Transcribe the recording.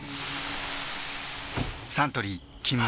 サントリー「金麦」